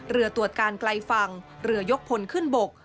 เรือตรวจการไกลฝั่งเรือยกพลขึ้นบก